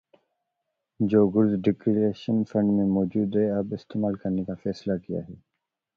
جو goods declaration fund میں موجود ہے جسے اب استعمال کرنے کا فیصلہ کیا ہے